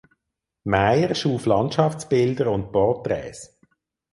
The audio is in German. Meyer schuf Landschaftsbilder und Porträts.